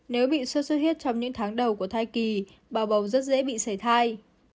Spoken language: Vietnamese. nếu bị xuất huyết trong những tháng đầu của thai kỳ bà bầu rất dễ bị xảy thai